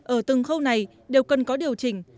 ở từng khâu này đều cần có điều chỉnh